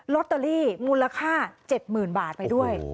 ลอตเตอรี่มูลค่า๗๐๐๐บาทไปด้วย